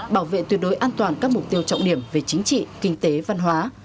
bảo vệ tuyệt đối an toàn các mục tiêu trọng điểm về chính trị kinh tế văn hóa